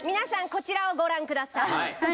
こちらをご覧ください